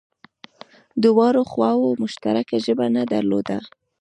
دواړو خواوو مشترکه ژبه نه درلوده